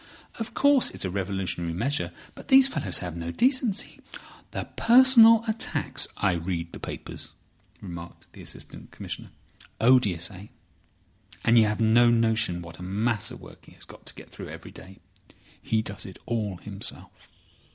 Of course, it is a revolutionary measure. But these fellows have no decency. The personal attacks—" "I read the papers," remarked the Assistant Commissioner. "Odious? Eh? And you have no notion what a mass of work he has got to get through every day. He does it all himself.